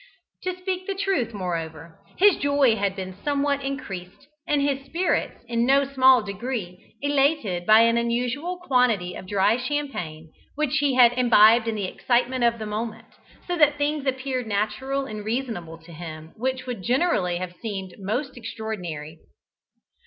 To speak the truth, moreover, his joy had been somewhat increased and his spirits in no small degree elated by an unusual quantity of dry champagne which he had imbibed in the excitement of the moment, so that things appeared natural and reasonable to him which would generally have seemed most extraordinary.